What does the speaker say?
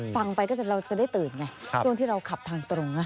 ฟังไปก็จะเราจะได้ตื่นไงครับช่วงที่เราขับทางตรงน่ะอ๋อ